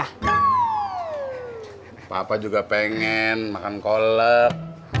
nah bapak juga pengen makan kolak